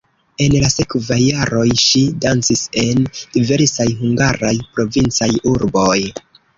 En la sekvaj jaroj ŝi dancis en diversaj hungaraj provincaj urboj.